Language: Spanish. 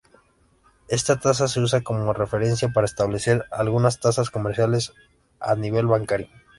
Esta tasa se usa como referencia para establecer algunas tasas comerciales a nivel bancario.